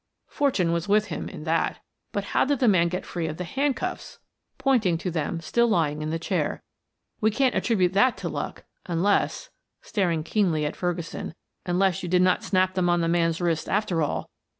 "Fortune was with him in that; but how did the man get free of the handcuffs?" pointing to them still lying in the chair. "We can't attribute that to luck, unless" staring keenly at Ferguson "unless you did not snap them on the man's wrists, after all."